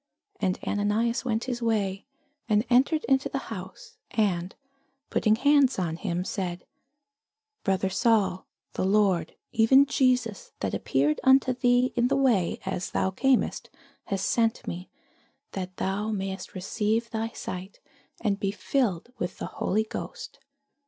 And Ananias went his way, and entered into the house; and putting his hands on him said, Brother Saul, the Lord, even Jesus, that appeared unto thee in the way as thou camest, hath sent me, that thou mightest receive thy sight, and be filled with the Holy Ghost.